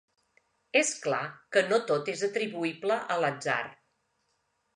És clar que no tot és atribuïble a l'atzar.